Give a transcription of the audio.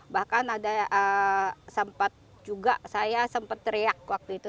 bahkan ada sempat juga saya sempat teriak waktu itu